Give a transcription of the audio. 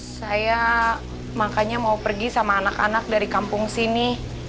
saya makanya mau pergi sama anak anak dari kampung sini